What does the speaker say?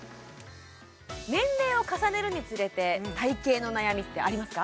年齢を重ねるにつれて体形の悩みってありますか？